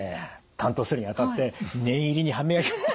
担当するにあたって念入りに歯磨きを。